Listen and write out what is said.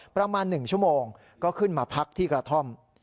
ประมาณ๑ชั่วโมงก็ขึ้นมาพักที่กระท่อม